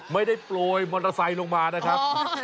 ไม่ได้โปรยมอเตอร์ไซค์ลงมานะครับ